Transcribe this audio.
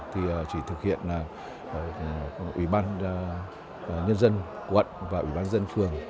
thì chỉ thực hiện ủy ban nhân dân quận và ủy ban dân phường